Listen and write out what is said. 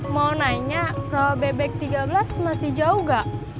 mau nanya kalau bebek tiga belas masih jauh enggak